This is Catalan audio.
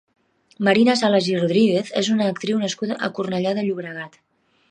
Marina Salas i Rodríguez és una actriu nascuda a Cornellà de Llobregat.